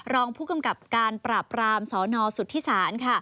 รองผู้กำกับการปราบรามสนสุธิศาล